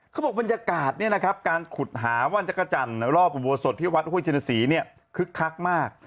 เขาบอกบรรยากาศการขุดหาว่านจักรจันทร์รอบอุโบสถที่วัดห้วยชนศรีเนี่ยคึกคักมาก